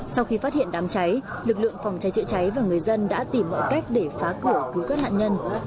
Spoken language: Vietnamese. sau khi phát hiện đám cháy lực lượng phòng cháy chữa cháy và người dân đã tìm mọi cách để phá cổ cứu các nạn nhân